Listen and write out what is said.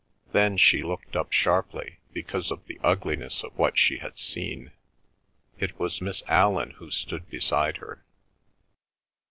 Then she looked up sharply, because of the ugliness of what she had seen. It was Miss Allan who stood beside her.